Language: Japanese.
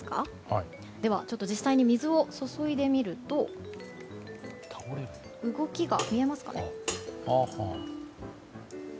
では実際に水を注いでみると動きが、見えますかね。